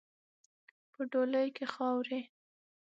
په ډولۍ کې خاروئ.